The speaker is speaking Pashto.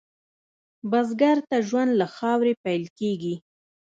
بزګر ته ژوند له خاورې پیل کېږي